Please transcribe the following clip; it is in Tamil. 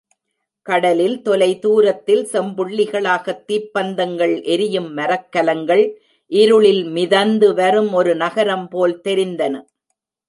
கடலில் தொலை தூரத்தில் செம்புள்ளிகளாகத் தீப்பந்தங்கள் எரியும் மரக்கலங்கள் இருளில் மிதந்து வரும் ஒரு நகரம் போல் தெரிந்தன.